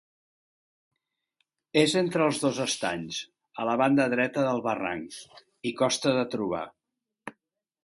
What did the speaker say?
És entre els dos estanys, a la banda dreta del barranc, i costa de trobar.